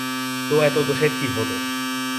তো এতে দোষের কী হল?